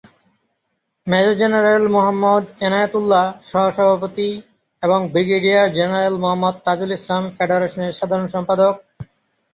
Major general Md: Enayet Ullah সহ-সভাপতি এবং brigadier general Mohammad Tajul Islam ফেডারেশনের সাধারণ সম্পাদক।